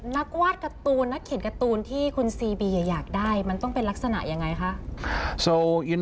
วาดการ์ตูนนักเขียนการ์ตูนที่คุณซีเบียอยากได้มันต้องเป็นลักษณะยังไงคะ